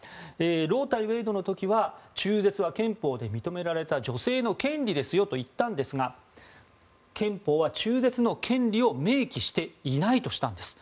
ロー対ウェイドの時は中絶は憲法で認められた女性の権利ですよと言ったんですが憲法は中絶の権利を明記していないとしたんです。